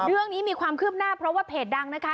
เรื่องนี้มีความคืบหน้าเพราะว่าเพจดังนะคะ